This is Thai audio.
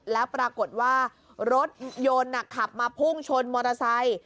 แล้วปรากฏว่ารถยนต์ขับมาพุ่งชนมอเตอร์ไซค์